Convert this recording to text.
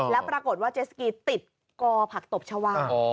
แล้วปรากฏว่าเจสกีติดกอผักตบชาวา